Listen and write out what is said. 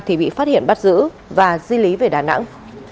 thì bị phát hiện bắt giữ và di lý về đà nẵng